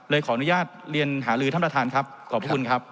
ขออนุญาตเรียนหาลือท่านประธานครับขอบพระคุณครับ